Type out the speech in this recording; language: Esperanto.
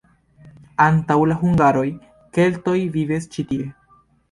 Antaŭ la hungaroj keltoj vivis ĉi tie.